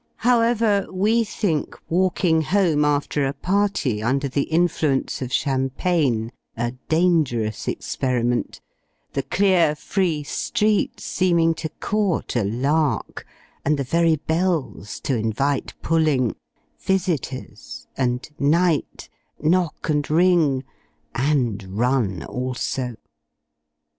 However, we think walking home, after a party, under the influence of champagne, a dangerous experiment: the clear free streets seeming to court a "lark," and the very bells to invite pulling "Visitors'," and "Night," "Knock and Ring," (and run) also.